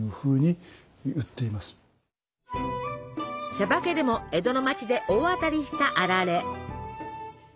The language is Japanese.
「しゃばけ」でも江戸の町で大当たりしたあられ。